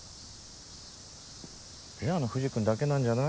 ペアの藤君だけなんじゃない？